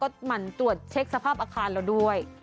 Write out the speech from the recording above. ก็หมั่นตรวจเช็คสภาพอาคารเราด้วย